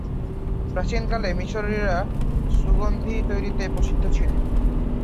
প্রাচীনকালে মিশরীয়রা সুগন্ধী তৈরীতে প্রসিদ্ধ ছিল।